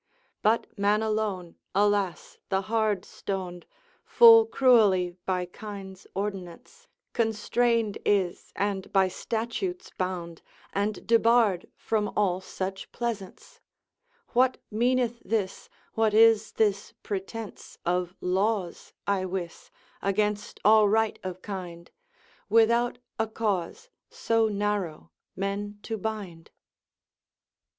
But man alone, alas the hard stond, Full cruelly by kinds ordinance Constrained is, and by statutes bound, And debarred from all such pleasance: What meaneth this, what is this pretence Of laws, I wis, against all right of kinde Without a cause, so narrow men to binde?